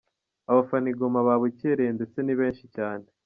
Abafana i Ngoma babukereye ndetse ni benshi cyane.